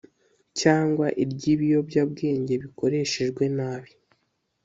cyangwa iry’ibiyobyabwenge bikoreshejwe nabi